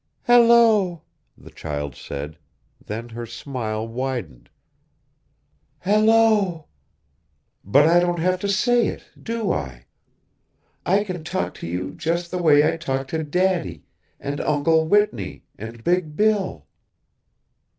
"Hello," the child said, then her smile widened. "Hello!" (But I don't have to say it, do I? I can talk to you just the way I talk to Daddy and Uncle Whitney and Big Bill).